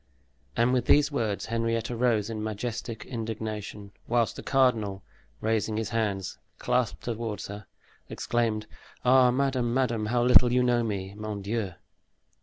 And with these words Henrietta rose in majestic indignation, whilst the cardinal, raising his hands clasped toward her, exclaimed, "Ah, madame, madame, how little you know me, mon Dieu!"